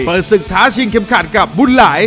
ศึกท้าชิงเข็มขัดกับบุญหลาย